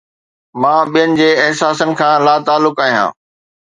مان ٻين جي احساسن کان لاتعلق آهيان